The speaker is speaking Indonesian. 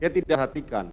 dia tidak hatikan